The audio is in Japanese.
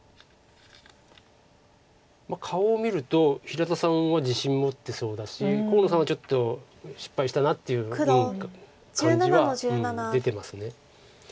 顔を見ると平田さんは自信持ってそうだし河野さんはちょっと失敗したなっていう感じは出てます。